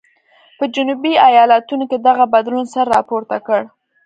په جنوبي ایالتونو کې دغه بدلون سر راپورته کړ.